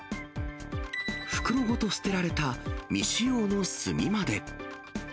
袋ごと捨てられた未使用の炭まで。